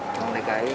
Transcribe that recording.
bisa ngebantu banget